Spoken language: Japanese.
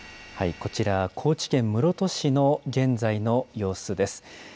こちら、高知県室戸市の現在の様子です。